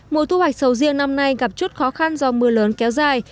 mùa thu hoạch sầu riêng năm nay gặp chút khó khăn do mưa lớn kéo dài